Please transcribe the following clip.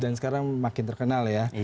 dan sekarang makin terkenal ya